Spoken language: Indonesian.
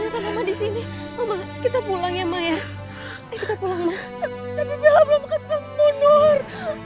ternyata mama di sini kita pulang ya ma ya ayo kita pulang tapi bila belum ketemu nur